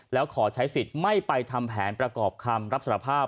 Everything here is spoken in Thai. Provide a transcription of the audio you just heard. แล้วขอใช้สิทธิ์ไม่ไปทำแผนประกอบคำรับสารภาพ